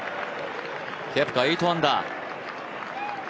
ケプカ、８アンダー。